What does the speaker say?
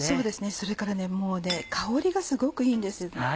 それから香りがすごくいいんです。